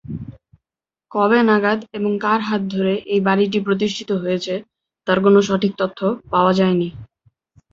কবে নাগাদ এবং কার হাত ধরে এই বাড়িটি প্রতিষ্ঠিত হয়েছে তার কোনো সঠিক তথ্য পাওয়া যায়নি।